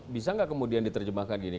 bisa nggak kemudian diterjemahkan gini